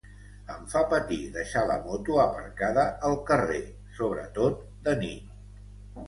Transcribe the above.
Em fa patir deixar la moto aparcada al carrer, sobretot de nit.